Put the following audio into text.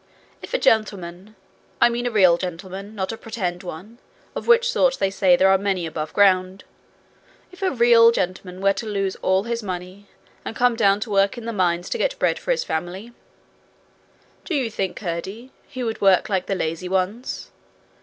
If a gentleman I mean a real gentleman, not a pretended one, of which sort they say there are a many above ground if a real gentleman were to lose all his money and come down to work in the mines to get bread for his family do you think, Curdie, he would work like the lazy ones?